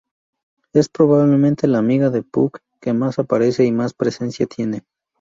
Es probablemente la amiga de Puck que más aparece y más presencia tiene.